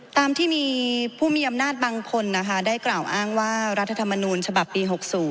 ตามที่มีผู้มีอำนาจบางคนนะคะได้กล่าวอ้างว่ารัฐธรรมนูญฉบับปี๖๐